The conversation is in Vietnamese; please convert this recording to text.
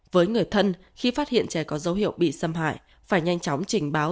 với người thân khi phát hiện trẻ có dấu hiệu bị xâm hại phải nhanh chóng trình báo